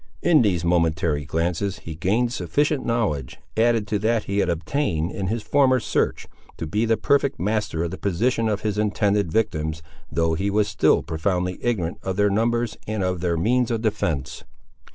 In these momentary glances he gained sufficient knowledge, added to that he had obtained in his former search, to be the perfect master of the position of his intended victims, though he was still profoundly ignorant of their numbers, and of their means of defence.